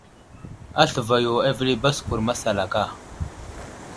Aslva yo avəli baskur masalaka.